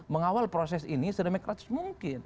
mengawal proses ini sedemikratis mungkin